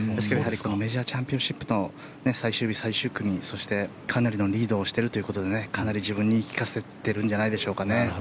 メジャーチャンピオンシップの最終日、最終組そして、かなりのリードをしてるということでかなり自分に言い聞かせてるんじゃないでしょうかね。